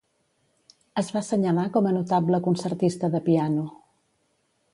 Es va senyalar com a notable concertista de piano.